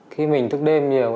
khi mình trực đêm nhiều